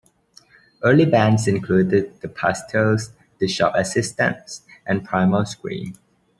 Early bands included The Pastels, The Shop Assistants and Primal Scream.